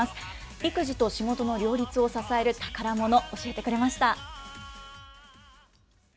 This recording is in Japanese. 育児と仕事の両立を支える宝もの、教えてくれました。